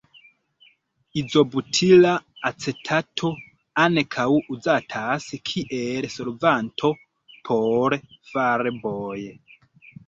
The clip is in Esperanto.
Izobutila acetato ankaŭ uzatas kiel solvanto por farboj.